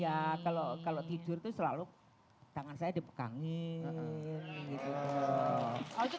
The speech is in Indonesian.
ya kalau tidur tuh selalu tangan saya dipegangin